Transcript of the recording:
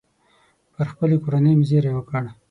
پر خپلې کورنۍ مې زېری وکړ.